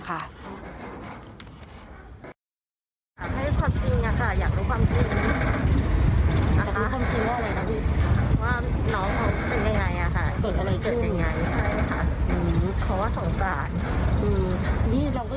ก็ตามข่าวทุกวันนอนไม่หลับเลย